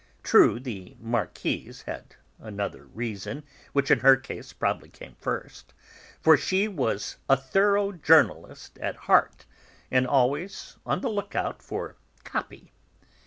True, the Marquise had another reason, which in her case probably came first, for she was a thorough journalist at heart, and always on the look out for 'copy.'